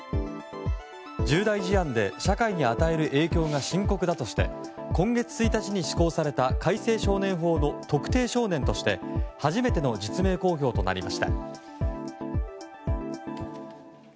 重大事案で社会に与える影響が深刻だとして今月１日に施行された改正少年法の特定少年として初めての実名公表となりました。